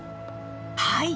はい。